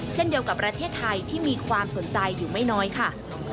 เช่นเดียวกับประเทศไทยที่มีความสนใจอยู่ไม่น้อยค่ะ